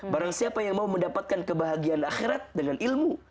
barang siapa yang mau mendapatkan kebahagiaan akhirat dengan ilmu